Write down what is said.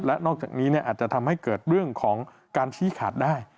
และนอกจากนี้อาจจะทำให้เกิดเรื่องของการชี้ขาดได้